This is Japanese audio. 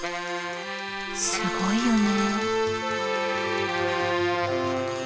すごいよね。